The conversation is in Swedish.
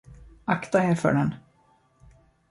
Akta er för den!